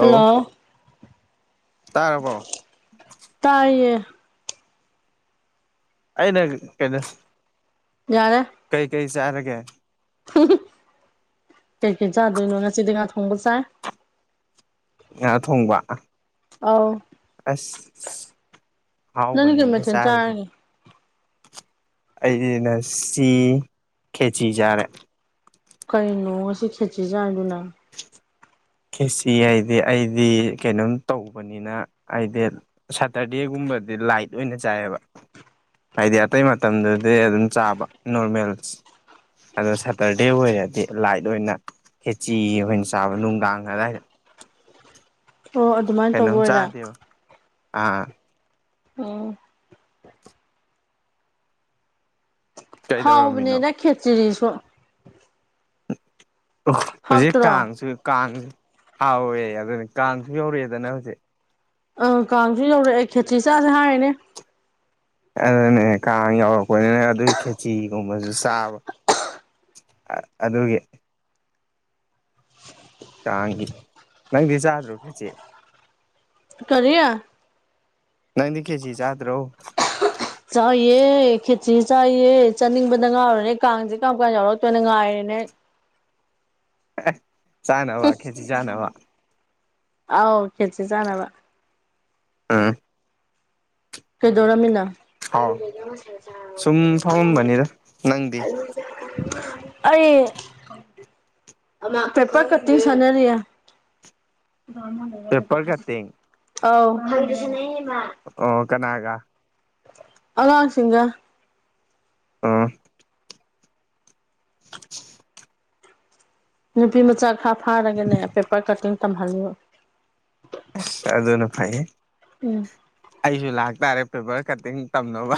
hello ꯇꯥꯔꯕꯣ ꯇꯥꯏꯌꯦ [unintelligible] ꯌꯥꯔꯦ ꯀꯩ ꯀꯩ ꯆꯥꯔꯒꯦ ꯀꯩ ꯀꯩ ꯆꯥꯗꯣꯏꯅꯣ ꯉꯁꯤꯗꯤ ꯉꯥ ꯊꯣꯡꯕ ꯆꯥꯏ ꯉꯥ ꯊꯣꯡꯕ ꯑꯧ ꯑꯁ ꯍꯥꯎꯕ ꯅꯪꯗꯤ ꯀꯩ ꯅꯤꯅꯦ ꯃꯊꯦꯜ ꯆꯥꯔꯤꯁꯦ ꯆꯥꯔꯒꯦ ꯑꯩꯗꯤ ꯉꯁꯤ ꯈꯦꯆꯤ ꯆꯥꯔꯦ ꯀꯩꯅꯣ ꯉꯁꯤ ꯈꯦꯆꯤ ꯆꯥꯏꯗꯨꯅ ꯈꯦꯆꯤ ꯍꯥꯏꯗꯤ ꯑꯩꯗꯤ ꯀꯩꯅꯣꯝ ꯇꯧꯕꯅꯤ ꯅꯤꯅ ꯑꯩꯗꯤ ꯁꯇꯔꯗꯦꯒꯨꯝꯕꯗꯤ ꯂꯥꯏꯠ ꯑꯣꯏꯅ ꯆꯥꯏꯌꯦꯕ ꯍꯥꯏꯗꯤ ꯑꯇꯩ ꯃꯇꯝꯗꯗꯤ ꯑꯗꯨꯝ ꯆꯥꯕ ꯅꯣꯔꯃꯦꯜ ꯑꯗꯣ ꯁꯇꯔꯗꯦ ꯑꯣꯏꯔꯗꯤ ꯂꯥꯏꯠ ꯑꯣꯏꯅ ꯈꯦꯆꯤ ꯑꯣꯏꯅ ꯆꯥꯕ ꯅꯨꯡꯗꯥꯡ ꯑꯗꯥꯏꯗ ꯑꯣ ꯑꯗꯨꯃꯥꯏꯅ ꯇꯧꯕ ꯀꯩꯅꯣꯝ ꯑꯣꯏꯔꯦ ꯆꯥꯗꯦꯕ ꯑꯥ ꯎꯝ ꯀꯩꯗꯧꯔꯝꯃꯤꯅꯣ ꯍꯥꯎꯕꯅꯦꯅ ꯈꯦꯆꯔꯤꯁꯨ ꯑꯣ ꯍꯧꯖꯤꯛ ꯍꯥꯎꯇ꯭ꯔꯣ ꯀꯥꯡꯁꯨ ꯀꯥꯡꯁꯨ ꯍꯥꯎꯋꯦ ꯑꯗꯨꯅꯤ ꯀꯥꯡꯁꯨ ꯌꯧꯔꯛꯑꯦꯗꯅ ꯍꯧꯖꯤꯛ ꯑꯪ ꯀꯥꯡꯁꯨ ꯌꯧꯔꯛꯑꯦ ꯈꯦꯇ꯭ꯔꯤꯆꯥꯥꯁꯦ ꯍꯥꯏꯔꯦꯅꯦ ꯑꯗꯨꯅꯦ ꯀꯥꯡ ꯌꯧꯔꯛꯄꯅꯤꯅ ꯑꯗꯨꯒꯤ ꯈꯦꯆꯤꯒꯨꯝꯕꯁꯨ ꯆꯥꯕ ꯑꯗꯨꯒꯤ ꯀꯥꯡꯒꯤ ꯅꯪꯗꯤ ꯆꯥꯗ꯭ꯔꯣ ꯈꯦꯆꯤ ꯀꯔꯤ ꯅꯪꯗꯤ ꯈꯦꯆꯤ ꯆꯥꯗ꯭ꯔꯣ ꯆꯥꯏꯑꯦ ꯈꯦꯆꯤ ꯆꯥꯏꯌꯦ ꯆꯥꯅꯤꯡꯕꯗ ꯉꯥꯎꯔꯅꯦ ꯀꯥꯡꯁꯦ ꯀꯔꯝ ꯀꯥꯟ ꯌꯥꯎꯔꯛꯇꯣꯏꯅꯣ ꯉꯥꯏꯔꯦꯅꯦ ꯑꯩ ꯑ ꯑꯥꯎ ꯈꯦꯠꯁꯤ ꯆꯥꯟꯅꯕ ꯑꯥ ꯀꯩꯗꯧꯔꯃꯤꯅ ꯍꯥꯎ ꯁꯨꯝ ꯐꯝꯃꯝꯕꯅꯤꯗ ꯅꯪꯗꯤ ꯑꯩ ꯄꯦꯄꯔ ꯀꯇ ꯁꯅꯔꯤꯌꯥ ꯄꯦꯄꯔ ꯀꯠꯇꯤꯡ ꯑꯧ ꯑꯣ ꯀꯅꯥꯒ ꯑꯋꯥꯥꯡꯁꯤꯡꯒ ꯑꯥ [unintelligible] ꯅꯨꯄꯤ ꯃꯆꯥ ꯈꯔ ꯐꯥꯔꯒꯅꯦ ꯄꯦꯄꯔ ꯀꯇꯤꯡ ꯇꯝꯍꯜꯂꯤꯂꯨ ꯇ ꯑꯗꯨꯅ ꯐꯥꯏ ꯎꯝ ꯑꯩꯁꯨ ꯂꯥꯛꯇꯥꯔꯦ ꯄꯦꯄꯔ ꯀꯠꯇꯤꯡ ꯇꯝꯅꯕ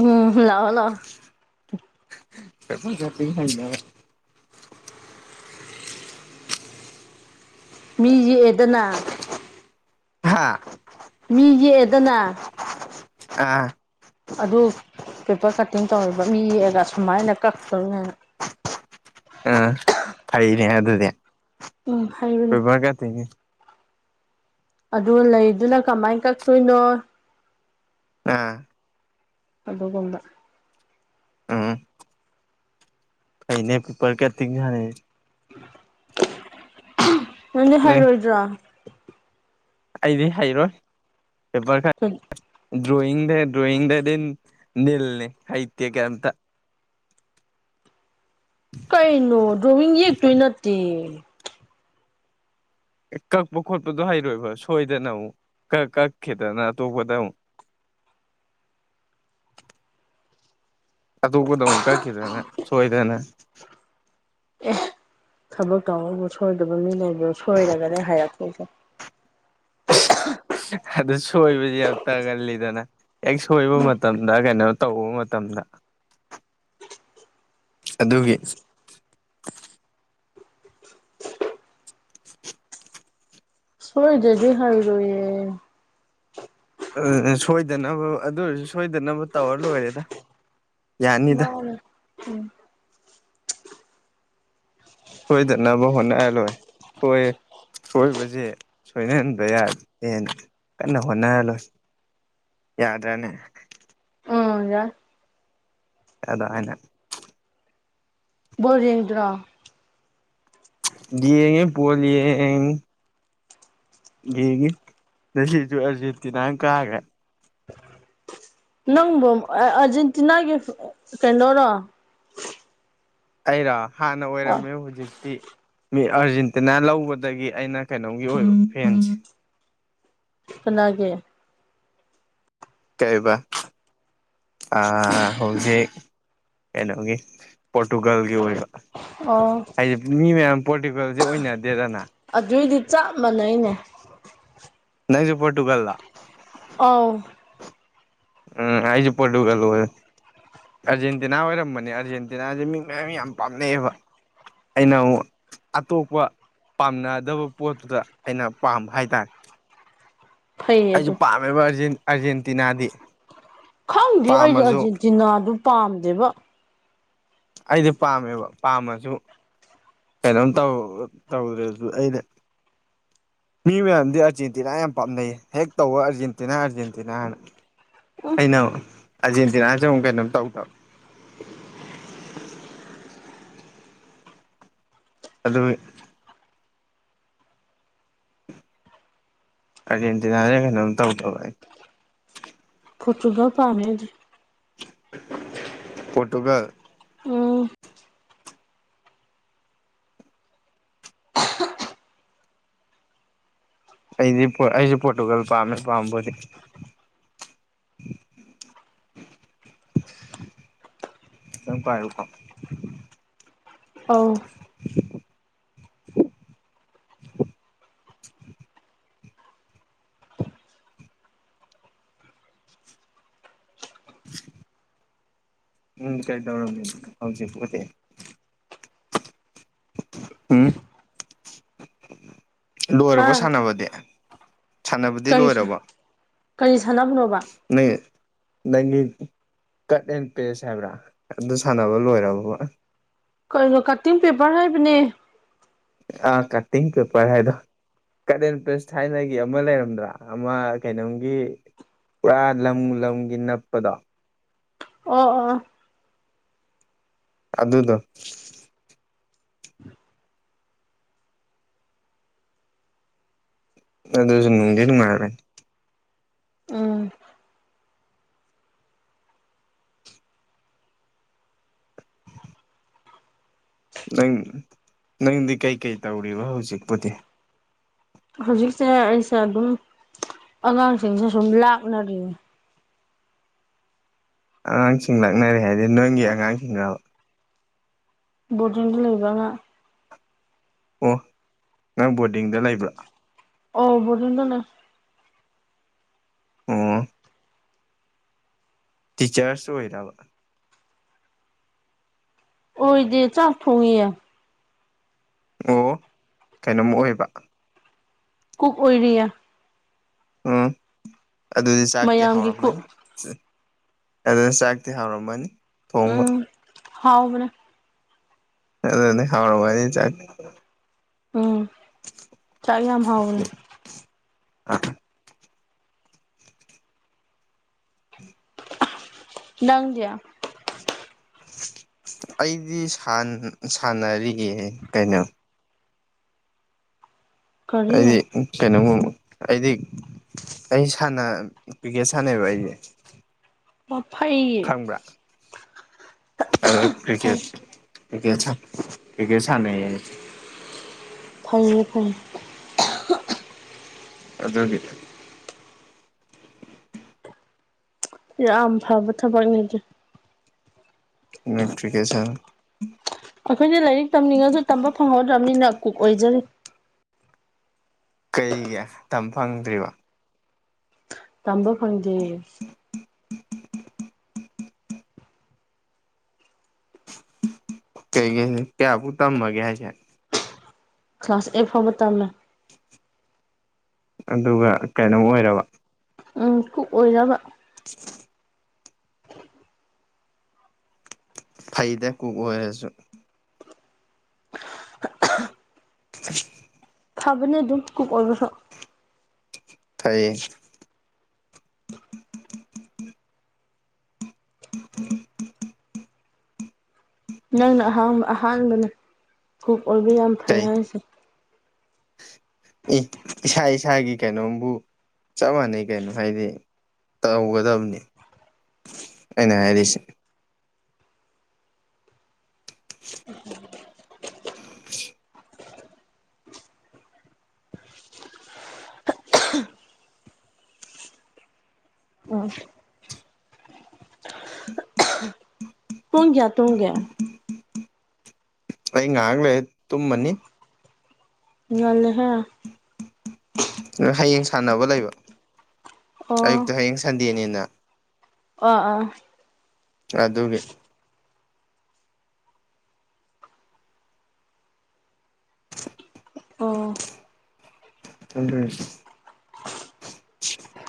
ꯎꯝ ꯂꯑꯣ ꯂꯥꯛꯑꯣ ꯐ ꯆꯄꯤ ꯍꯥꯏ ꯃꯤ ꯌꯦꯛꯑꯦꯗꯅ ꯍꯥꯥ ꯃꯤ ꯌꯦꯛꯑꯦꯗꯅ ꯑ ꯑꯗꯨ ꯄꯦꯄꯔ ꯀꯠꯇꯤꯡ ꯇꯧꯔꯤꯕ ꯃꯤ ꯌꯦꯛꯑꯒ ꯑꯨꯃꯥꯏꯅ ꯀꯛꯇꯣꯏꯅꯦꯅ ꯑꯥ ꯐꯩꯅꯦ ꯑꯗꯨꯗꯤ ꯎꯝ ꯍꯩꯕꯅꯦ ꯀꯣꯏꯕ ꯀ ꯇꯣꯏꯅꯦ ꯑꯗꯨ ꯂꯩꯗꯨꯅ ꯀꯃꯥꯏ ꯀꯛꯇꯣꯏꯅꯣ ꯑꯥ ꯑꯗꯨꯒꯨꯝꯕ ꯑꯅꯦ ꯄꯄꯔ ꯀꯦꯇ ꯌꯥꯅꯦꯦ ꯅꯪꯦ ꯅꯣꯏ ꯍꯥꯏꯩꯔꯣꯏꯗ꯭ꯔꯥ ꯑꯩꯗꯤ ꯍꯩꯔꯣꯏ ꯄꯦꯄꯔ ꯈ ꯊꯝ ꯗ꯭ꯔꯣꯌ ꯗ ꯗ꯭ꯔꯣꯌ ꯗꯗꯤ ꯅꯅꯤꯜꯅꯦ ꯍꯥꯏꯇꯒꯇ ꯀꯩꯅꯣ ꯗ꯭ꯔꯣꯃꯤꯡ ꯌꯦꯛꯇꯣꯏ ꯅꯠꯇꯦ ꯀꯛꯄ ꯈꯣꯠꯄꯗꯣ ꯍꯩꯔꯣꯏꯕ ꯁꯣꯏꯗꯅ ꯑꯃꯨꯛ ꯀ ꯀꯛꯈꯤꯗꯅ ꯑꯇꯣꯞꯄꯗ ꯑꯃꯨꯛ ꯑꯗꯨꯄꯗ ꯑꯃꯨꯛ ꯀꯛꯈꯤꯗꯅ ꯁꯣꯏꯗꯅ ꯑꯦ ꯊꯕꯛ ꯇꯧꯅꯕꯕꯨ ꯁꯣꯏꯗꯕ ꯃꯤ ꯂꯩꯕ ꯁꯣꯏꯔꯒꯅꯦ ꯍꯥꯏꯔꯛꯄꯁꯦ ꯑꯗꯨ ꯁꯣꯏꯕꯁꯤ ꯌꯥꯝ ꯇꯥꯒꯜꯂꯤꯗꯅ ꯍꯦꯛ ꯁꯣꯏꯕ ꯃꯇꯝꯗ ꯀꯩꯅꯣ ꯇꯧꯕ ꯃꯇꯝꯗ ꯑꯗꯨꯒꯤ ꯁꯣꯏꯗꯦꯗꯤ ꯍꯥꯏꯔꯣꯏꯌꯦꯦ ꯁꯣꯏꯗꯅꯕ ꯑꯗꯨ ꯑꯣꯏꯔꯁꯨ ꯁꯣꯏꯗꯅꯕ ꯇꯋꯔ ꯂꯣꯏꯔꯦꯗ ꯌꯥꯅꯤꯗ ꯃꯥꯎꯅꯦ ꯎꯝ ꯁꯣꯏꯗꯅꯕ ꯍꯣꯠꯅꯍꯜꯂꯣꯏ ꯁꯣꯏ ꯁꯣꯏꯕꯁꯦ ꯁꯣꯏꯅꯍꯟꯕ ꯌꯥꯗꯦꯅ ꯀꯟꯅ ꯍꯣꯠꯅꯔꯂꯣꯏ ꯌꯥꯗ꯭ꯔꯥꯅꯦ ꯍ ꯌꯥ ꯑꯗ ꯍꯥꯏꯅ ꯕꯣꯔ ꯌꯦꯡꯗ꯭ꯔꯣ ꯂꯉ ꯄꯂꯤ ꯌꯦ ꯌꯦꯡꯉ ꯉꯁꯤꯁꯨ ꯑꯥꯔꯖꯦꯟꯇꯤꯅꯥꯅ ꯀꯥꯈ꯭ꯔꯦ ꯅꯪꯕꯨ ꯑꯔꯖꯦꯟꯇꯤꯅꯥꯒꯤ ꯀꯩꯅꯣꯔꯣ ꯑꯩꯔꯣ ꯍꯥꯟꯅ ꯑꯣꯏꯔꯝꯃꯦ ꯍꯧꯖꯤꯛꯇꯤ ꯃꯤ ꯑꯥꯔꯖꯦꯟꯇꯤꯅꯥ ꯂꯧꯕꯗꯒꯤ ꯑꯩꯅ ꯀꯩꯅꯣꯝꯒꯤ ꯑꯣꯏꯕ ꯐꯦꯟꯁꯦ ꯀꯅꯥꯒꯤ ꯀꯩꯕ ꯍꯧꯖꯤꯛ ꯀꯩꯅꯣꯒꯤ ꯄꯣꯔꯇꯨꯒꯜꯒꯤ ꯑꯣꯏꯕ ꯑ ꯍꯥꯏꯗꯤ ꯃꯤ ꯃꯌꯥꯝ ꯄꯣꯔꯇꯤꯒꯦꯜꯁꯦ ꯑꯣꯏꯅꯗꯦꯗꯅ ꯑꯗꯨꯏꯗꯤ ꯆꯞ ꯃꯥꯟꯅꯩꯅꯦ ꯅꯪꯁꯨ ꯄꯣꯔꯇꯨꯒꯜꯂ ꯑꯣ ꯎꯝ ꯑꯩꯁꯨ ꯄꯣꯔꯇꯨꯒꯜ ꯑꯣꯏ ꯑꯥꯔꯖꯦꯟꯇꯤꯅꯥ ꯑꯣꯏꯔꯝꯕꯅꯦ ꯑꯥꯔꯖꯦꯟꯇꯤꯅꯥꯁꯦ ꯃꯤ ꯃꯌꯥꯝ ꯌꯥꯝ ꯄꯥꯝꯅꯩꯑꯕ ꯑꯩꯅ ꯑꯃꯨꯛ ꯑꯇꯣꯞꯄ ꯄꯥꯝꯅꯗꯕ ꯄꯣꯠꯇꯨꯗ ꯑꯩꯅ ꯄꯥꯝꯕ ꯍꯥꯏꯇꯥꯔꯦ ꯐꯩꯌꯦ ꯑꯩꯁꯨ ꯑꯗꯨ ꯄꯥꯝꯃꯦꯕ ꯑꯥꯔꯖꯦꯟꯇꯤꯅꯥꯗꯤ ꯈꯪꯗꯦ ꯑꯩꯗꯤ ꯄꯥꯝꯃꯁꯨ ꯑꯔꯖꯦꯟꯇꯤꯅꯥꯗꯨ ꯄꯥꯝꯗꯦꯕ ꯑꯩꯗꯤ ꯄꯥꯝꯃꯦꯕ ꯄꯥꯝꯃꯁꯨ ꯀꯩꯅꯣꯝ ꯇꯧꯗ꯭ꯔꯦꯁꯨ ꯑꯩꯅ ꯃꯤ ꯃꯌꯥꯝꯗꯤ ꯑꯥꯔꯖꯦꯟꯇꯤꯅꯥ ꯌꯥꯝ ꯄꯥꯝꯅꯩꯌꯦ ꯍꯦꯛ ꯇꯧꯋ ꯑꯥꯔꯖꯦꯟꯇꯤꯅꯥ ꯑꯥꯔꯖꯦꯟꯇꯤꯅꯥ ꯍꯅ ꯑꯩꯅ ꯑꯥꯔꯖꯦꯟꯇꯤꯅꯥꯁ ꯑꯃꯨꯛ ꯀꯩꯅꯣꯝ ꯇꯧꯗꯕ ꯑꯗꯨ ꯑꯔꯖꯦꯟꯇꯤꯅꯥꯅꯦ ꯀꯩꯅꯣꯝ ꯇꯧꯗꯕ ꯐꯆꯨꯒ ꯄꯥꯅꯦꯖꯤ ꯄꯣꯔꯇꯨꯒꯜ ꯎꯝ ꯑꯩꯗꯤ ꯑꯩꯁꯨ ꯄꯣꯔꯇꯨꯒꯜ ꯄꯥꯝꯃꯦ ꯄꯥꯝꯕꯕꯨꯗꯤ [inaudible] ꯅꯪ ꯄꯥꯏꯌꯨꯀꫭ ꯑꯥꯎ ꯎꯝ ꯀꯩꯗꯧꯔꯝꯃꯤꯅꫭ ꯍꯧꯖꯤꯛꯄꯨꯗꯤ ꯎꯝ ꯍꯥ ꯂꯣꯏꯔꯕ ꯁꯥꯟꯅꯕꯗꯤ ꯁꯥꯟꯅꯕꯗꯤ ꯀꯔꯤ ꯂꯣꯏꯔꯕ ꯀꯔꯤ ꯁꯥꯟꯅꯕꯅꯣꯕ ꯅ ꯅꯪ ꯀꯠ ꯑꯦꯟ ꯄꯦꯁ ꯍꯥꯏꯕ꯭ꯔꯥ ꯑꯗꯨ ꯁꯥꯟꯅꯕ ꯂꯣꯏꯔꯕꯕꯥ ꯀꯩꯅꯣ ꯀꯠꯇꯤꯡ ꯄꯦꯄꯔ ꯍꯥꯏꯕꯅꯦ ꯑ ꯀꯇꯤꯡ ꯄꯦꯄꯔ ꯍꯥꯏꯗꯣ ꯀꯠ ꯑꯦꯟ ꯄꯦꯁ ꯊꯥꯏꯅꯒꯤ ꯑꯃ ꯂꯩꯔꯝꯗ꯭ꯔꯥ ꯑꯃ ꯀꯩꯅꯣꯝꯒꯤ ꯄꯨꯔꯥ ꯂꯝ ꯂꯝꯒꯤ ꯅꯞꯄꯗꯣ ꯑꯣ ꯑꯣ ꯑꯗꯨꯗꯣ ꯑꯗꯨꯁꯨ ꯅꯨꯡꯗꯤ ꯅꯨꯡꯉꯥꯏꯕꯅꯤ ꯎꯝ ꯅꯪ ꯅꯪꯗꯤ ꯀꯩꯀꯩ ꯇꯧꯔꯤꯕ ꯍꯧꯖꯤꯛꯄꯨꯗꯤ ꯍꯧꯖꯤꯛꯅ ꯑꯩꯁꯦ ꯑꯗꯨꯝ ꯑꯉꯥꯡꯁꯤꯡꯁꯦ ꯁꯨꯝ ꯂꯥꯛꯅꯔꯤꯅꯤ ꯑꯉꯥꯡꯁꯤꯡ ꯂꯥꯛꯅꯔꯤ ꯍꯥꯏꯗꯤ ꯅꯪꯒꯤ ꯑꯉꯥꯡꯁꯤꯡꯔꯥꯕ ꯕꯣꯔꯗꯤꯡꯗ ꯂꯩꯕ ꯑꯉꯥꯡ ꯑꯣ ꯅꯪ ꯕꯣꯔꯗꯤꯡꯗ ꯂꯩꯕ꯭ꯔꯥ ꯑꯣ ꯕꫭꯔꯗꯤꯡꯗ ꯂꯩ ꯎꯝ ꯇꯤꯆꯔꯁ ꯑꯣꯏꯔꯥꯕꯥ ꯑꯣꯏꯗꯦ ꯆꯥꯛ ꯊꯣꯡꯉꯤꯌꯥ ꯑꯣ ꯀꯩꯅꯣꯝꯃ ꯑꯣꯏꯕ ꯀꯨꯛ ꯑꯣꯏꯔꯤꯌꯥ ꯎꯝ ꯑꯗꯨꯗꯤ ꯆꯥꯛꯇꯤ ꯃꯌꯥꯝꯒꯤ ꯀꯨꯛ ꯍꯥꯎꯔꯝꯃꯅꯤ ꯑꯗꯨꯅ ꯆꯥꯛꯇꯤ ꯍꯥꯎꯔꯝꯃꯅꯤ ꯊꯣꯡꯕ ꯎꯝ ꯍꯥꯎꯕꯅꯦ ꯑꯗꯨꯗꯤ ꯈꯥꯎꯔ ꯆ ꯎꯝ ꯆꯥꯛ ꯌꯥꯝ ꯍꯥꯎꯅꯦ ꯅꯪꯗꯌꯥ ꯑꯩꯗꯤ ꯁꯥꯟꯅꯔꯤꯌꯦ ꯀꯩꯅꯣ ꯀꯔꯤ ꯑꯩꯗꯤ ꯀꯩꯅꯣꯒꯨꯝꯕ ꯑꯩꯗꯤ ꯑꯩ ꯁꯥꯟꯅ ꯀ꯭ꯔꯤꯛꯀꯦꯠ ꯁꯥꯟꯅꯩꯕ ꯑꯩꯁꯦ ꯃꯐꯩ ꯈꯪꯕ꯭ꯔꯥ ꯑꯗꯨ ꯐꯩ ꯀ꯭ꯔꯤꯀꯦꯠꯁꯦ ꯏꯦ ꯌꯦ ꯁꯥꯟ ꯐꯪ ꯐꯪ ꯑꯗꯨꯒꯤꯅꯦ ꯌꯥꯝ ꯐꯕ ꯊꯕꯛꯅꯤꯗꯤ ꯅꯇ꯭ꯐꯤꯀꯦꯁꯟ ꯑꯩꯈꯣꯏꯅ ꯂꯥꯏꯔꯤꯛ ꯇꯝꯅꯤꯡꯉꯁꯨ ꯇꯝꯕ ꯐꯪꯍꯧꯗ꯭ꯔꯕꯅꯤꯅ ꯀꯨꯛ ꯑꯣꯏꯖꯔꯤ ꯀꯩꯒꯤ ꯃꯇꯝꯝ ꯐꯪꯗ꯭ꯔꯤꯕ ꯇꯝꯕ ꯐꯖꯦ ꯀꯩꯒꯤ ꯀꯌꯥꯕꯨ ꯇ ꯃꯒꯌꯥꯁꯦ ꯀ꯭ꯂꯥꯁ ꯑꯩꯠ ꯐꯥꯎꯕ ꯇꯝꯃꯦ ꯑꯗꯨꯒ ꯀꯩꯅꯣꯝ ꯑꯣꯏꯔꯕ ꯑꯣꯏꯔꯕ [unintelligible] ꯐꯩꯗ ꯀꯨꯛ ꯑꯣꯏꯔꯁꯨ ꯑ ꯈꯕꯅꯦ ꯑꯗꯨꯝ ꯀꯨ ꯀ ꯑꯣꯏꯕꯁ ꯊꯥꯏꯌꯦ ꯅꯪꯅ ꯑꯍꯥꯡꯕ ꯑꯍꯥꯟꯕꯅ ꯀꯛ ꯑꯣꯏꯕ ꯌꯥꯝ ꯐꯩ ꯀꯩ ꯍꯥꯏꯔꯤꯁꯦ ꯏꯁꯥ ꯏꯁꯥꯒꯤ ꯀꯩꯅꯣꯝꯕꯨ ꯆꯞ ꯃꯥꯟꯅꯩ ꯀꯩꯅꯣ ꯍꯥꯏꯗꯤ ꯇꯧꯒꯗꯕꯅꯤ ꯑꯩꯅ ꯍꯥꯏꯔꯤꯁꯦ [unintelligible] ꯎꯝ ꯇꯨꯡꯒ꯭ ꯇꯨꯡꯒ꯭ ꯍꯪ ꯍꯥꯏꯒꯂꯦ ꯇꯨꯝꯃꯃꯅꯤ ꯉꯥꯜꯂꯍꯦ ꯅ ꯍꯌꯦꯡ ꯁꯥꯟꯅꯕ ꯂꯩꯕ ꯑꯣ ꯑꯌꯨꯛꯇ ꯍꯌꯦꯡ ꯁꯟꯗꯦꯅꯦꯅ ꯑ ꯑꯥ ꯑꯗꯨꯒꯤ ꯑꯣ ꯊꯗꯔꯁꯤ [unintelligible]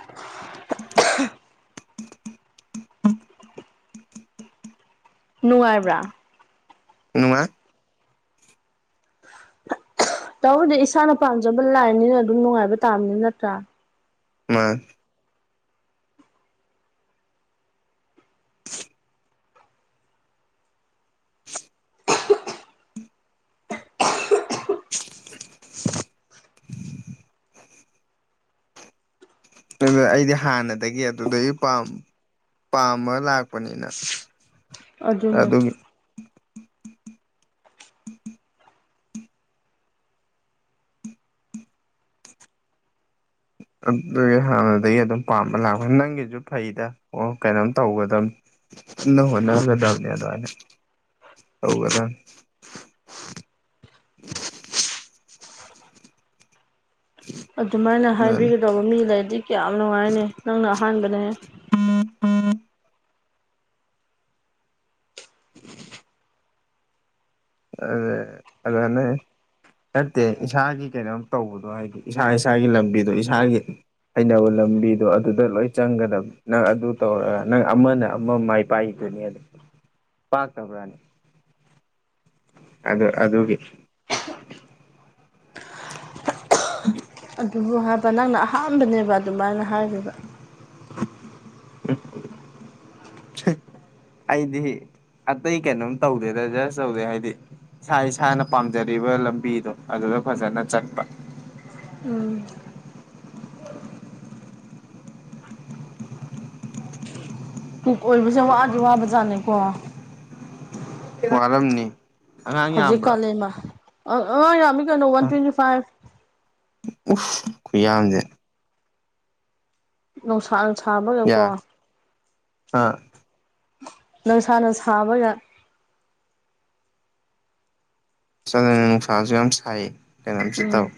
ꯅꯨꯡꯉꯥꯏꯕ꯭ꯔꯥ ꯅꯨꯉꯥꯏ ꯇꯧꯗꯤ ꯏꯁꯥꯅ ꯄꯥꯝꯖꯕ ꯂꯥꯏꯅꯤꯅ ꯑꯗꯨꯝ ꯅꯨꯡꯉꯥꯏꯕ ꯇꯥꯕꯅꯤ ꯅꯠꯇ꯭ꯔꯥ ꯃꯥ [unintelligible] ꯑꯗꯨꯗ ꯑꯩꯗꯤ ꯍꯥꯟꯅꯗꯒꯤ ꯑꯗꯨꯗꯒꯤ ꯄꯥꯝ ꯄꯥꯝꯃꯥ ꯂꯥꯛꯄꯅꯤꯅ ꯑꯗꯨꯅꯦ ꯑꯗꯨꯒꯤ ꯑꯗꯨꯒꯤ ꯍꯥꯟꯅꯗꯒꯤ ꯑꯗꯨꯝ ꯄꯥꯝꯃ ꯂꯥꯛꯄꯅꯤꯅ ꯅꯪꯒꯤꯁꯨ ꯐꯩꯗ ꯑꯣ ꯀꯩꯅꯣꯝ ꯇꯧꯒꯗꯕꯅꯤ ꯀꯟꯅ ꯍꯣꯠꯅꯒꯗꯕꯅꯤ ꯑꯗꯨꯃꯥꯏꯅ ꯍꯧꯔꯗꯧꯅꯦ ꯑꯗꯨꯃꯥꯏꯅ ꯇꯧꯒꯗꯕꯅꯤ ꯍꯥꯏꯕꯤꯒꯗꯧꯕ ꯃꯤ ꯂꯩꯔꯗꯤ ꯀꯌꯥꯝ ꯅꯨꯡꯉꯥꯏꯅꯤ ꯅꯪꯅ ꯑꯍꯥꯟꯕꯅꯦ ꯑ ꯑꯗꯨꯗꯅꯦ ꯅꯠꯇꯦ ꯏꯁꯥꯒꯤ ꯀꯩꯅꯣꯝ ꯇꯧꯕꯗꯣ ꯍꯥꯏꯗꯤ ꯏꯁꯥ ꯏꯁꯥꯒꯤ ꯂꯝꯕꯤꯗꯣ ꯏꯁꯥꯒꯤ ꯍꯩꯅꯕ ꯂꯝꯕꯤꯗꯣ ꯑꯗꯨꯗ ꯂꯣꯏ ꯆꯪꯒꯗꯕꯅꯤ ꯅꯪ ꯑꯗꯨ ꯇꯧꯔꯒ ꯅꯪ ꯑꯃꯅ ꯑꯃ ꯃꯥꯏ ꯄꯥꯛꯏꯗꯨꯅꯤ ꯑꯗꯣ ꯄꯥꯛꯇꯕ꯭ꯔꯥꯅꯦ ꯑꯗ ꯑꯗꯨꯒꯤ [inaudible] ꯑꯗꯨꯕꯨ ꯍꯥꯏꯕ ꯅꯪꯅ ꯑꯍꯥꯟꯕꯅꯦꯕ ꯑꯗꯨꯃꯥꯏꯅ ꯍꯥꯏꯔꯤꯕ [inaudible] ꯁ ꯑꯩꯗꯤ ꯑꯇꯩ ꯀꯩꯅꯣꯝ ꯇꯧꯗꯦꯗ ꯖꯁ ꯇꯧꯗꯦ ꯍꯥꯏꯗꯤ ꯏꯁꯥ ꯏꯁꯥꯅ ꯄꯥꯝꯖꯔꯤꯕ ꯂꯝꯕꯤꯗꯣ ꯑꯗꯨꯗ ꯐꯖꯅ ꯆꯠꯄ ꯎꯝ ꯀꯨꯛ ꯑꯣꯏꯕꯁꯦ ꯋꯥꯗꯤ ꯋꯥꯕꯖꯥꯠꯅꯤꯀꯣ ꯋꯥꯔꯝꯅꯤ ꯑꯉꯥꯡ ꯍꯧꯖꯤꯛ ꯌꯥꯝꯕ꯭ꯔꯣ ꯀꯥꯂꯦꯟꯃ ꯑ ꯌꯥꯝꯃꯤ ꯀꯩꯅꯣ ꯋꯥꯟ ꯇ꯭ꯋꯦꯟꯇꯤ ꯐꯥꯏꯚ ꯎꯐ ꯈꯨꯌꯥꯝꯁꯦ ꯅꯨꯡꯁꯥꯅ ꯁꯥꯥꯕꯒꯀꯣ ꯌꯥꯝ ꯑꯥ ꯅꯨꯡꯁꯥꯅ ꯁꯥꯕꯒ ꯆꯥꯗꯅ ꯅꯨꯡꯁꯥꯁꯨ ꯌꯥꯝ ꯁꯥꯏ ꯀꯩꯅꯣꯝꯁꯨ ꯎꯝ ꯇꯧꯏ